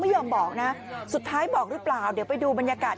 ยอมบอกนะสุดท้ายบอกหรือเปล่าเดี๋ยวไปดูบรรยากาศ